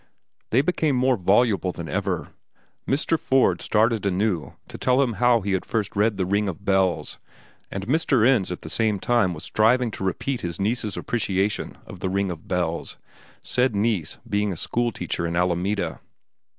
They became more voluble than ever. Mr. Ford started anew to tell how he had first read "The Ring of Bells," and Mr. Ends at the same time was striving to repeat his niece's appreciation of "The Ring of Bells," said niece being a school teacher in Alameda.